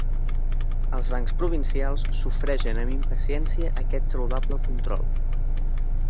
Els bancs provincials sofreixen amb impaciència aquest saludable control.